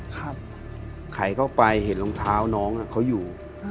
ไขเข้าไปเห็นรองเท้าน้องเขาอยู่